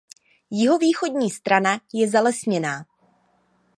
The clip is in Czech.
Jihovýchodní strana je zalesněná.